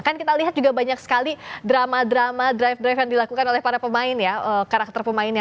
kan kita lihat juga banyak sekali drama drama drive drive yang dilakukan oleh para pemain ya karakter pemainnya